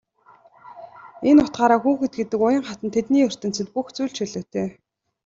Энэ утгаараа хүүхэд гэдэг уян хатан тэдний ертөнцөд бүх зүйл чөлөөтэй.